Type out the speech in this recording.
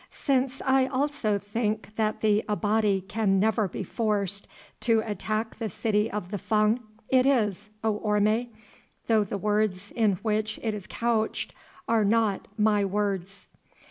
"Since I also think that the Abati can never be forced to attack the city of the Fung, it is, O Orme, though the words in which it is couched are not my words."